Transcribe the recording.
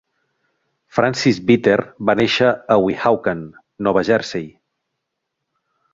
Francis Bitter va néixer a Weehawken, Nova Jersey.